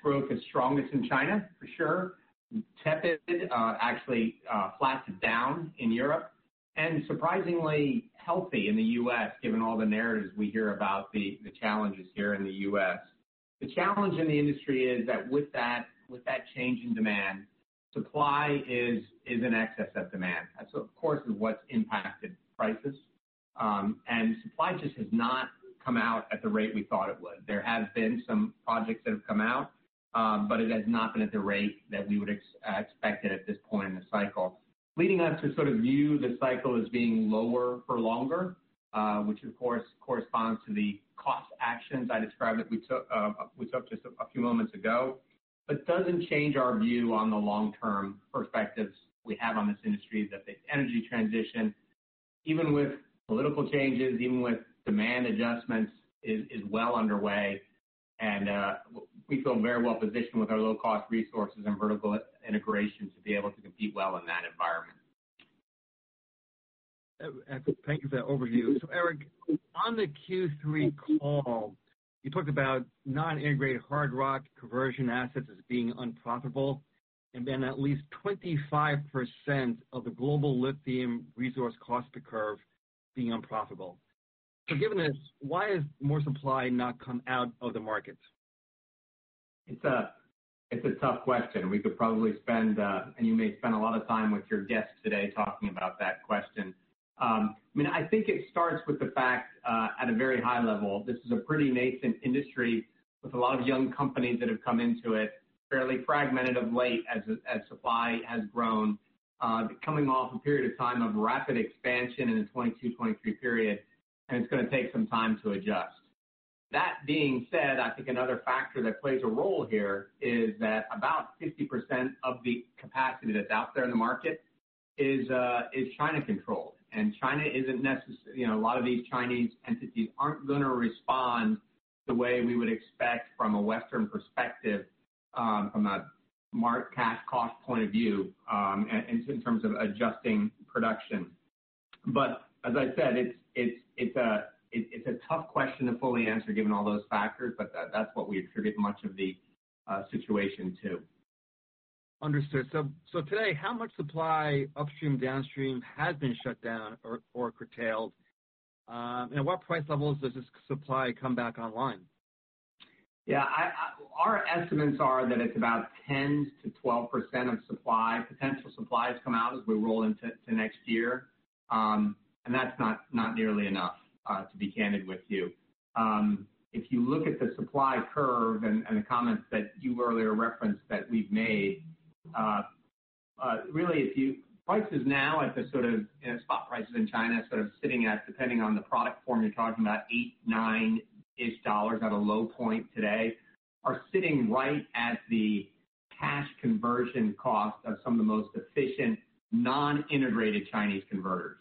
EV growth is strongest in China, for sure. It actually flattened down in Europe and surprisingly healthy in the U.S., given all the narratives we hear about the challenges here in the U.S. The challenge in the industry is that with that change in demand, supply is in excess of demand. That's, of course, what's impacted prices, and supply just has not come out at the rate we thought it would. There have been some projects that have come out, but it has not been at the rate that we would expect it at this point in the cycle, leading us to sort of view the cycle as being lower for longer, which, of course, corresponds to the cost actions I described that we took just a few moments ago. But it doesn't change our view on the long-term perspectives we have on this industry, that the energy transition, even with political changes, even with demand adjustments, is well underway. And we feel very well positioned with our low-cost resources and vertical integration to be able to compete well in that environment. Excellent. Thank you for that overview. So, Eric, on the Q3 call, you talked about non-integrated hard rock conversion assets as being unprofitable, and then at least 25% of the global lithium resource cost curve being unprofitable. So given this, why has more supply not come out of the market? It's a tough question. We could probably spend, and you may spend a lot of time with your guests today talking about that question. I mean, I think it starts with the fact at a very high level, this is a pretty nascent industry with a lot of young companies that have come into it, fairly fragmented of late as supply has grown, coming off a period of time of rapid expansion in the 2022, 2023 period, and it's going to take some time to adjust. That being said, I think another factor that plays a role here is that about 50% of the capacity that's out there in the market is China-controlled. And China isn't necessarily, a lot of these Chinese entities aren't going to respond the way we would expect from a Western perspective, from a market cash cost point of view, in terms of adjusting production. But as I said, it's a tough question to fully answer given all those factors, but that's what we attribute much of the situation to. Understood. So today, how much supply upstream, downstream has been shut down or curtailed, and at what price levels does this supply come back online? Yeah. Our estimates are that it's about 10%-12% of supply, potential supplies come out as we roll into next year. And that's not nearly enough, to be candid with you. If you look at the supply curve and the comments that you earlier referenced that we've made, really, prices now at the sort of spot prices in China are sort of sitting at, depending on the product form you're talking about, $8-$9-ish at a low point today, are sitting right at the cash conversion cost of some of the most efficient non-integrated Chinese converters.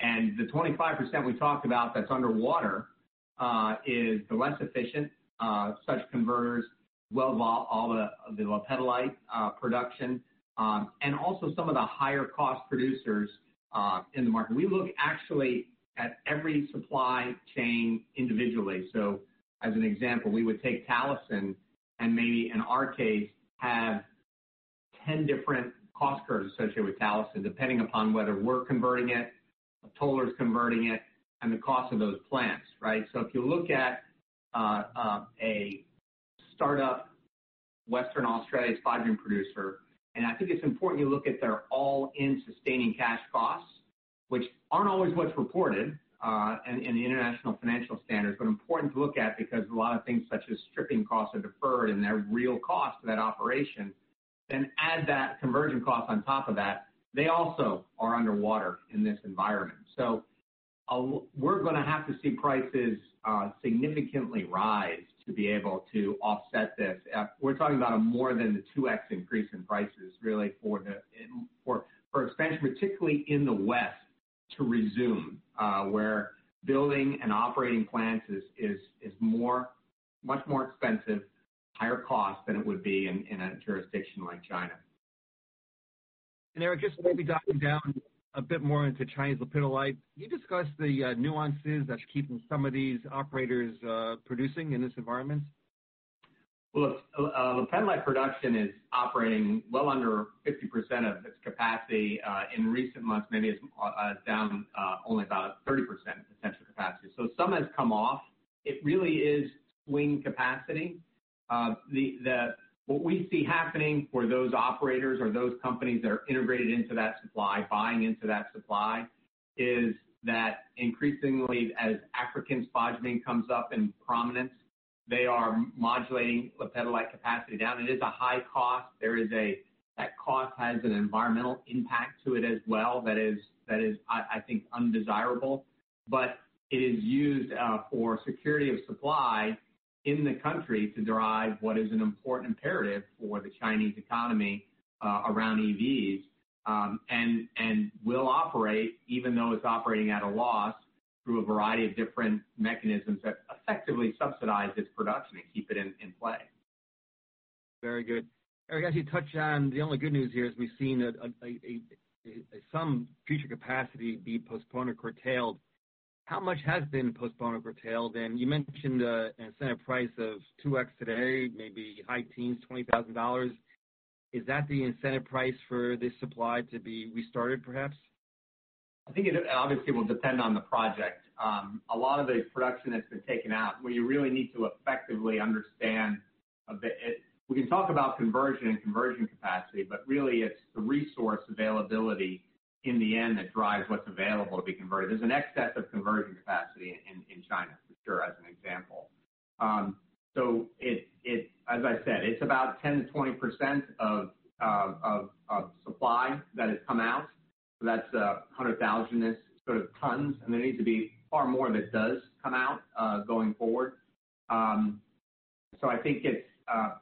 And the 25% we talked about that's underwater is the less efficient such converters, well, all the lepidolite production, and also some of the higher-cost producers in the market. We look actually at every supply chain individually. So as an example, we would take Talison and maybe, in our case, have 10 different cost curves associated with Talison, depending upon whether we're converting it, a tollers converting it, and the cost of those plants, right? So if you look at a startup, Western Australia's brine producer, and I think it's important you look at their all-in sustaining cash costs, which aren't always what's reported in the international financial standards, but important to look at because a lot of things such as stripping costs are deferred and their real cost to that operation. Then add that conversion cost on top of that. They also are underwater in this environment. So we're going to have to see prices significantly rise to be able to offset this. We're talking about a more than 2x increase in prices, really, for expansion, particularly in the West to resume, where building and operating plants is much more expensive, higher cost than it would be in a jurisdiction like China. Eric, just maybe diving down a bit more into Chinese lepidolite, you discussed the nuances that's keeping some of these operators producing in this environment. Look, lepidolite production is operating well under 50% of its capacity. In recent months, maybe it's down only about 30% of its potential capacity. So some has come off. It really is swing capacity. What we see happening for those operators or those companies that are integrated into that supply, buying into that supply, is that increasingly, as African spodumene comes up in prominence, they are modulating lepidolite capacity down. It is a high cost. That cost has an environmental impact to it as well that is, I think, undesirable. But it is used for security of supply in the country to derive what is an important imperative for the Chinese economy around EVs, and will operate, even though it's operating at a loss, through a variety of different mechanisms that effectively subsidize its production and keep it in play. Very good. Eric, as you touched on, the only good news here is we've seen some future capacity be postponed or curtailed. How much has been postponed or curtailed? And you mentioned an incentive price of 2x today, maybe high teens, $20,000. Is that the incentive price for this supply to be restarted, perhaps? I think it obviously will depend on the project. A lot of the production that's been taken out, we really need to effectively understand a bit. We can talk about conversion and conversion capacity, but really, it's the resource availability in the end that drives what's available to be converted. There's an excess of conversion capacity in China, for sure, as an example. So as I said, it's about 10%-20% of supply that has come out. That's 100,000-ish sort of tons. And there needs to be far more that does come out going forward. So I think it's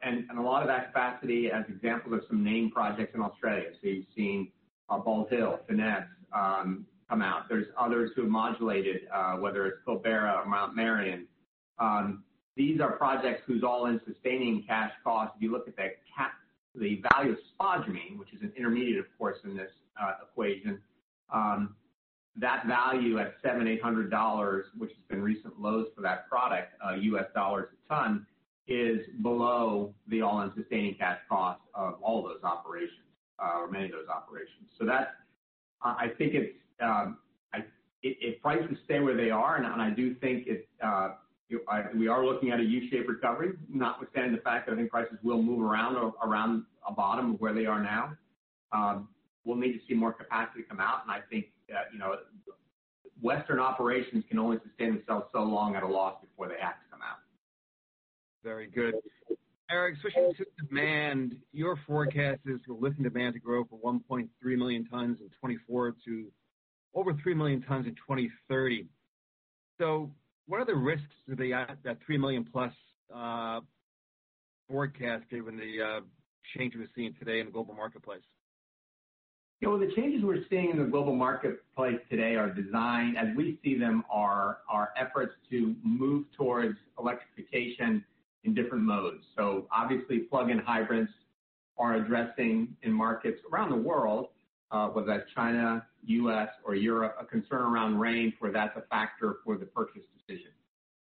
and a lot of that capacity, as examples of some name projects in Australia. So you've seen Bald Hill, Finniss come out. There's others who have modulated, whether it's Pilbara or Mount Marion. These are projects whose all-in sustaining cash cost, if you look at the value of spodumene, which is an intermediate, of course, in this equation, that value at $7,800, which has been recent lows for that product, U.S. dollars a ton, is below the all-in sustaining cash cost of all those operations or many of those operations. So I think it's if prices stay where they are. And I do think we are looking at a U-shaped recovery, notwithstanding the fact that I think prices will move around a bottom of where they are now. We'll need to see more capacity come out. And I think Western operations can only sustain themselves so long at a loss before they have to come out. Very good. Eric, switching to demand, your forecast is we'll see lithium demand grow from 1.3 million tons in 2024 to over three million tons in 2030. So what are the risks of that three million-plus forecast given the changes we're seeing today in the global marketplace? The changes we're seeing in the global marketplace today are designed, as we see them, our efforts to move towards electrification in different modes. So obviously, plug-in hybrids are addressing in markets around the world, whether that's China, U.S., or Europe, a concern around range where that's a factor for the purchase decision.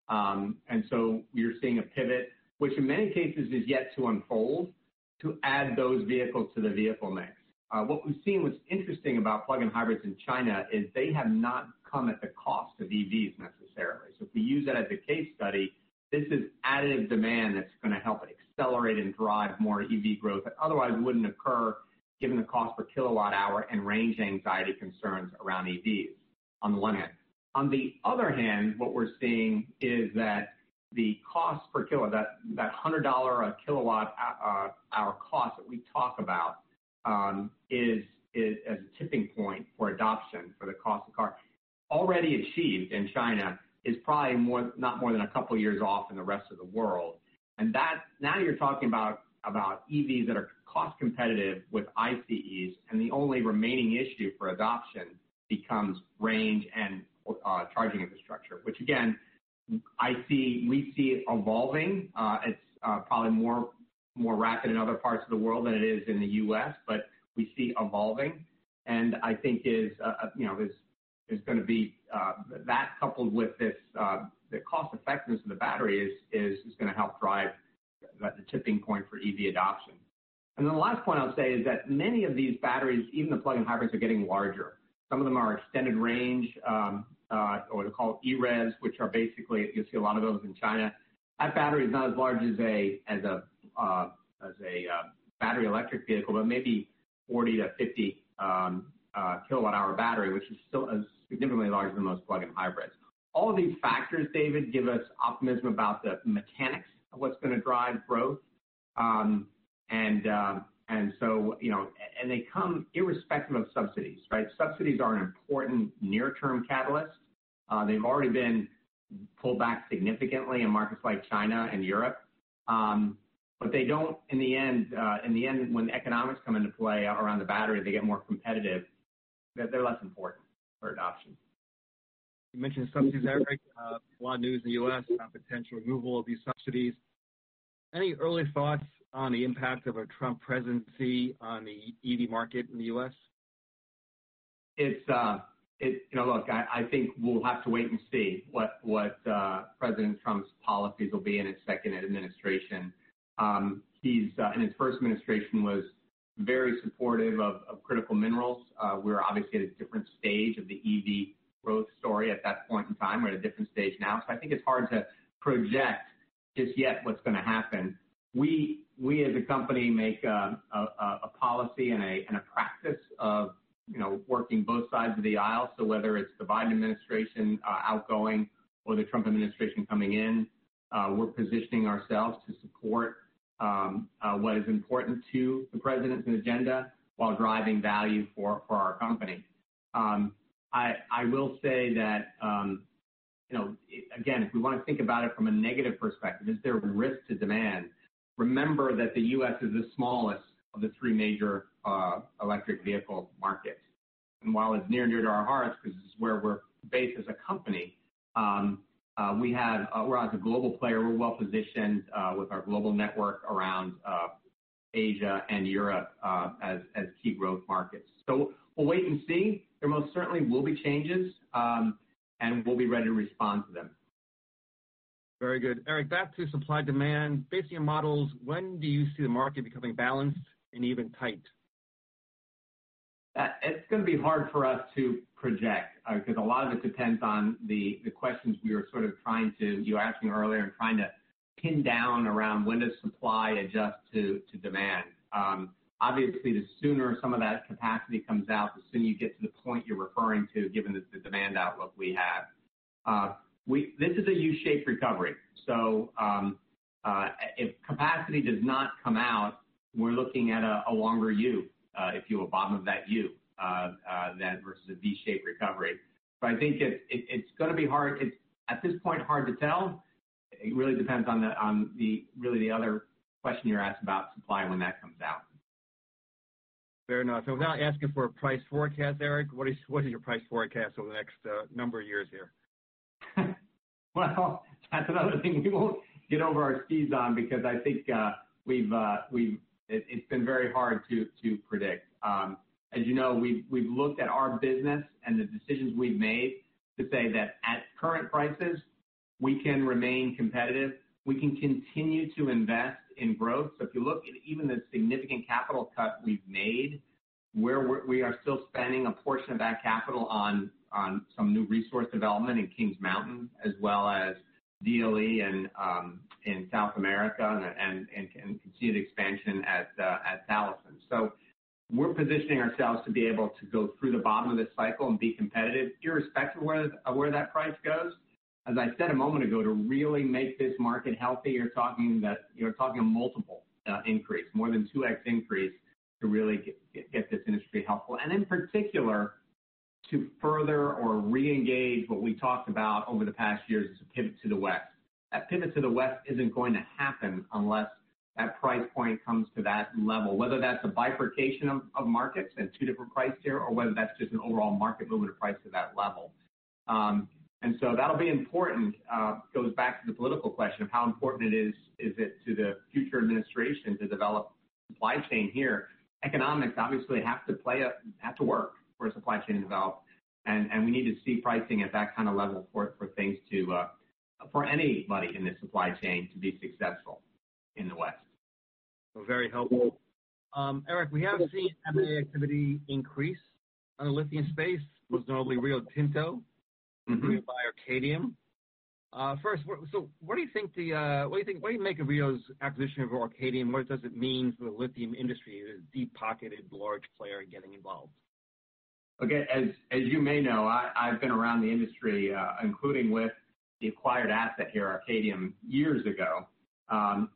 And so we are seeing a pivot, which in many cases is yet to unfold, to add those vehicles to the vehicle mix. What we've seen, what's interesting about plug-in hybrids in China, is they have not come at the cost of EVs necessarily. So if we use that as a case study, this is additive demand that's going to help accelerate and drive more EV growth that otherwise wouldn't occur given the cost per kilowatt-hour and range anxiety concerns around EVs on the one hand. On the other hand, what we're seeing is that the cost per kilowatt, that $100 a kilowatt-hour cost that we talk about, is a tipping point for adoption for the cost of the car. Already achieved in China is probably not more than a couple of years off in the rest of the world. And now you're talking about EVs that are cost competitive with ICEs. And the only remaining issue for adoption becomes range and charging infrastructure, which, again, we see evolving. It's probably more rapid in other parts of the world than it is in the U.S., but we see evolving. And I think it's going to be that coupled with the cost effectiveness of the battery is going to help drive the tipping point for EV adoption. And then the last point I'll say is that many of these batteries, even the plug-in hybrids, are getting larger. Some of them are extended range, or they're called EREVs, which are basically, you'll see a lot of those in China. That battery is not as large as a battery electric vehicle, but maybe 40-50 kilowatt-hour battery, which is still significantly larger than most plug-in hybrids. All of these factors, David, give us optimism about the mechanics of what's going to drive growth. They come irrespective of subsidies, right? Subsidies are an important near-term catalyst. They've already been pulled back significantly in markets like China and Europe. But they don't, in the end, when the economics come into play around the battery, they get more competitive. They're less important for adoption. You mentioned subsidies, Eric. A lot of news in the U.S. about potential removal of these subsidies. Any early thoughts on the impact of a Trump presidency on the EV market in the U.S.? Look, I think we'll have to wait and see what President Trump's policies will be in his second administration. In his first administration, he was very supportive of critical minerals. We were obviously at a different stage of the EV growth story at that point in time. We're at a different stage now. So I think it's hard to project just yet what's going to happen. We, as a company, make a policy and a practice of working both sides of the aisle. So whether it's the Biden administration outgoing or the Trump administration coming in, we're positioning ourselves to support what is important to the president's agenda while driving value for our company. I will say that, again, if we want to think about it from a negative perspective, is there a risk to demand? Remember that the U.S. is the smallest of the three major electric vehicle markets. And while it's near and dear to our hearts, because this is where we're based as a company, we're not a global player. We're well-positioned with our global network around Asia and Europe as key growth markets. So we'll wait and see. There most certainly will be changes, and we'll be ready to respond to them. Very good. Eric, back to supply-demand, based on your models, when do you see the market becoming balanced and even tight? It's going to be hard for us to project because a lot of it depends on the questions we were sort of trying to—you were asking earlier and trying to pin down around when does supply adjust to demand. Obviously, the sooner some of that capacity comes out, the sooner you get to the point you're referring to, given the demand outlook we have. This is a U-shaped recovery, so if capacity does not come out, we're looking at a longer U, if you will, bottom of that U versus a V-shaped recovery, but I think it's going to be hard at this point, hard to tell. It really depends on really the other question you're asking about supply when that comes out. Fair enough. So without asking for a price forecast, Eric, what is your price forecast over the next number of years here? That's another thing we won't get over our skis on because I think it's been very hard to predict. As you know, we've looked at our business and the decisions we've made to say that at current prices, we can remain competitive. We can continue to invest in growth. So if you look at even the significant capital cut we've made, we are still spending a portion of that capital on some new resource development in Kings Mountain, as well as DLE in South America, and you can see the expansion at Talison. So we're positioning ourselves to be able to go through the bottom of this cycle and be competitive irrespective of where that price goes. As I said a moment ago, to really make this market healthy, you're talking of multiple increase, more than 2x increase to really get this industry healthful. And in particular, to further or re-engage what we talked about over the past years as a pivot to the West. That pivot to the West isn't going to happen unless that price point comes to that level, whether that's a bifurcation of markets and two different prices here, or whether that's just an overall market movement of price to that level. And so that'll be important. It goes back to the political question of how important it is to the future administration to develop supply chain here. Economics obviously have to work for a supply chain to develop. And we need to see pricing at that kind of level for anybody in this supply chain to be successful in the West. Very helpful. Eric, we have seen M&A activity increase in the lithium space. It was notably Rio Tinto's acquisition of Arcadium. First, so what do you make of Rio's acquisition of Arcadium? What does it mean for the lithium industry as a deep-pocketed, large player getting involved? Okay. As you may know, I've been around the industry, including with the acquired asset here, Arcadium, years ago and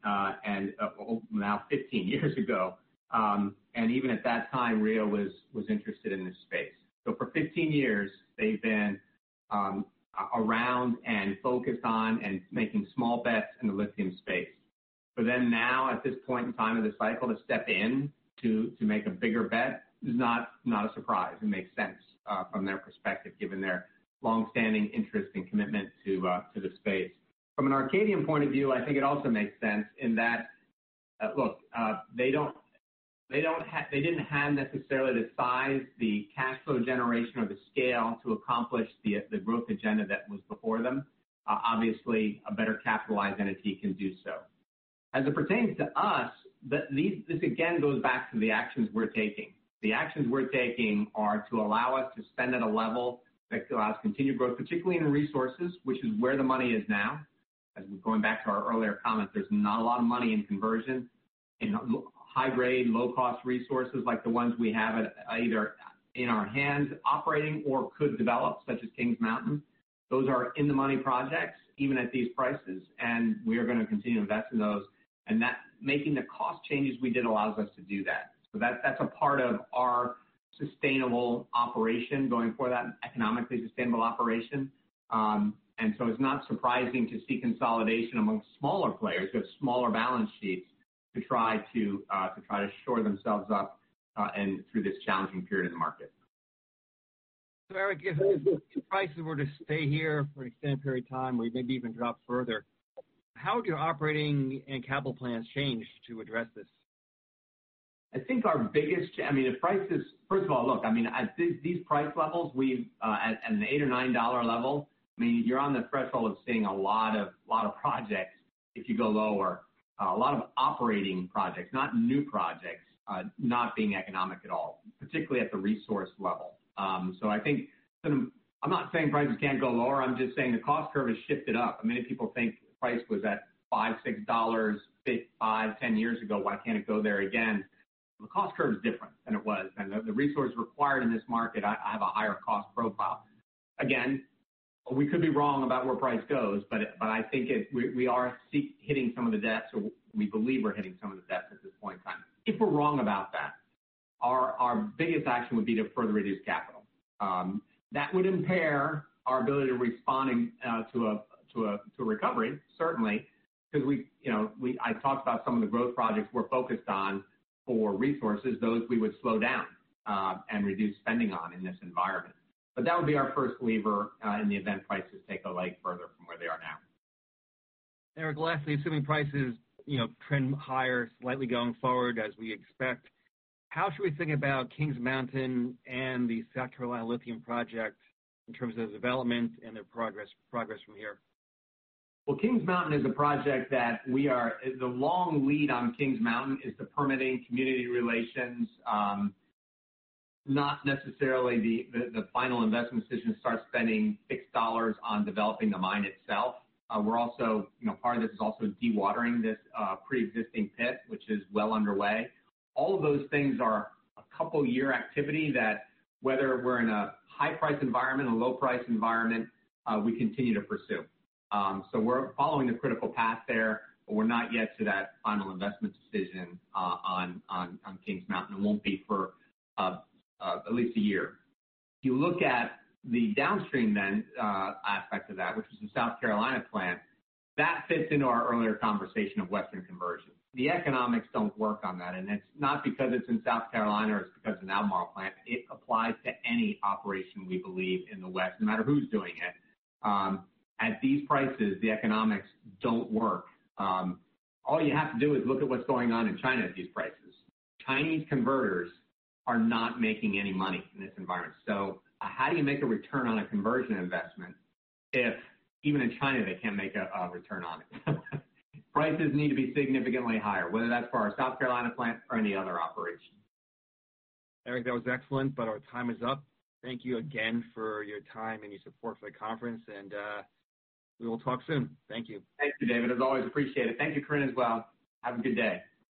now 15 years ago, and even at that time, Rio was interested in this space, so for 15 years, they've been around and focused on and making small bets in the lithium space. For them now, at this point in time of the cycle, to step in to make a bigger bet is not a surprise. It makes sense from their perspective, given their longstanding interest and commitment to the space. From an Arcadium point of view, I think it also makes sense in that, look, they didn't have necessarily the size, the cash flow generation, or the scale to accomplish the growth agenda that was before them. Obviously, a better capitalized entity can do so. As it pertains to us, this again goes back to the actions we're taking. The actions we're taking are to allow us to spend at a level that allows continued growth, particularly in resources, which is where the money is now. As we're going back to our earlier comments, there's not a lot of money in conversion in high-grade, low-cost resources like the ones we have either in our hands operating or could develop, such as Kings Mountain. Those are in-the-money projects even at these prices, and we are going to continue investing in those, and making the cost changes we did allows us to do that, so that's a part of our sustainable operation going forward, that economically sustainable operation, and so it's not surprising to see consolidation among smaller players who have smaller balance sheets to try to shore themselves up through this challenging period in the market. So Eric, if prices were to stay here for an extended period of time, or maybe even drop further, how would your operating and capital plans change to address this? I think our biggest. I mean, if prices. First of all, look, I mean, at these price levels, we've. At an $8 or $9 dollar level, I mean, you're on the threshold of seeing a lot of projects if you go lower, a lot of operating projects, not new projects, not being economic at all, particularly at the resource level. So I think I'm not saying prices can't go lower. I'm just saying the cost curve has shifted up. Many people think price was at $5-$6 five, 10 years ago. Why can't it go there again? The cost curve is different than it was. And the resource required in this market, I have a higher cost profile. Again, we could be wrong about where price goes, but I think we are hitting some of the depth. We believe we're hitting some of the depth at this point in time. If we're wrong about that, our biggest action would be to further reduce capital. That would impair our ability to respond to a recovery, certainly, because I talked about some of the growth projects we're focused on for resources, those we would slow down and reduce spending on in this environment. But that would be our first lever in the event prices take a leg further from where they are now. Eric, lastly, assuming prices trend higher slightly going forward as we expect, how should we think about Kings Mountain and the South Carolina lithium project in terms of development and their progress from here? Kings Mountain is a project that we are the long lead on. Kings Mountain is the permitting, community relations, not necessarily the final investment decision to start spending fixed dollars on developing the mine itself. Part of this is also dewatering this pre-existing pit, which is well underway. All of those things are a couple-year activity that, whether we're in a high-price environment, a low-price environment, we continue to pursue. So we're following the critical path there, but we're not yet to that final investment decision on Kings Mountain. It won't be for at least a year. If you look at the downstream then aspect of that, which is the South Carolina plant, that fits into our earlier conversation of Western conversion. The economics don't work on that. It's not because it's in South Carolina or it's because of an Albemarle plant. It applies to any operation we believe in the West, no matter who's doing it. At these prices, the economics don't work. All you have to do is look at what's going on in China at these prices. Chinese converters are not making any money in this environment. So how do you make a return on a conversion investment if even in China they can't make a return on it? Prices need to be significantly higher, whether that's for our South Carolina plant or any other operation. Eric, that was excellent, but our time is up. Thank you again for your time and your support for the conference. And we will talk soon. Thank you. Thank you, David. As always, appreciate it. Thank you, Corinne, as well. Have a good day.